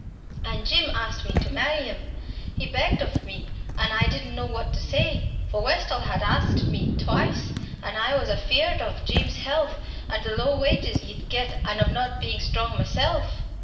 An' Jim asked me to marry him he begged of me an' I didn't know what to say. For Westall had asked me twice; an' I was afeard of Jim's health, an' the low wages he'd get, an' of not bein' strong myself.